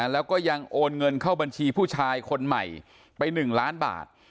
แล้วก็ยังโอนเงินเข้าบัญชีผู้ชายคนใหม่ไป๑ล้านบาท